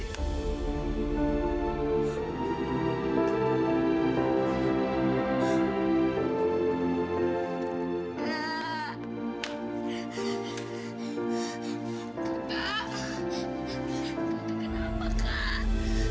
kakak kakak kenapa kak